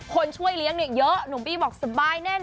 คนช่วยเลี้ยงเยอะหนุ่มบีบอกสบายแน่นอน